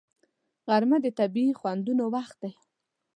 غرمه د طبیعي خوندونو وخت دی